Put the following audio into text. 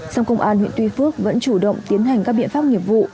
song công an huyện tuy phước vẫn chủ động tiến hành các biện pháp nghiệp vụ